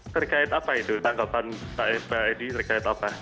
terkait apa itu tanggapan pak edi terkait apa